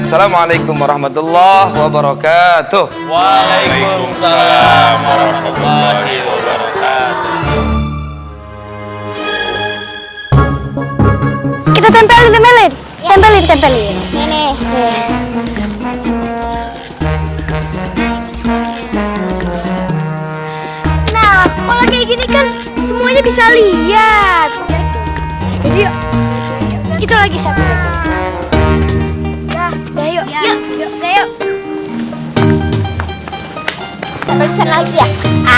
assalamualaikum warahmatullah wabarakatuh waalaikumsalam warahmatullahi wabarakatuh